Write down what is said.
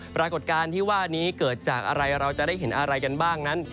ปรากฏการณ์ที่ว่านี้เกิดจากอะไรเราจะได้เห็นอะไรกันบ้างนั้น